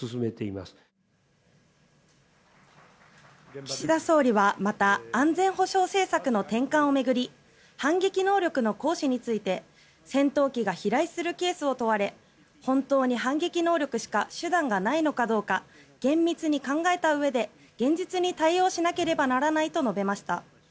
岸田総理はまた安全保障政策の転換を巡り反撃能力の行使について戦闘機が飛来するケースを問われ本当に反撃能力しか手段がないのかどうか厳密に考えたうえで現実に対応しなければならないと述べました。